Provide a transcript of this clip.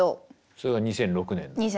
それが２００６年の。